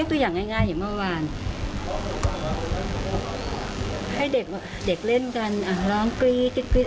ยกตัวอย่างง่ายง่ายอย่างเมื่อวานให้เด็กเด็กเล่นกันอ่ะร้องกรี๊ดกรี๊ด